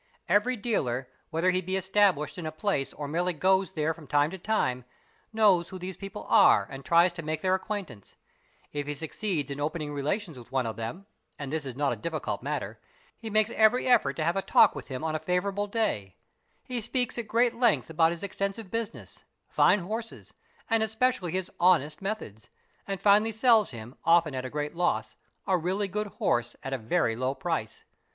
Hvery dealer, whether he be established in a place or merely goes there from. time to time, knows who these people are and tries to make their acquaint ance; if he succeeds in opening relations with one of them—and this is not a difficult matter—he makes every effort to have a talk with him on a favourable day; he speaks at great length about his extensive business, fine horses, and especially his honest methods, and finally sells him, often at a great loss, a really good horse at a very low price.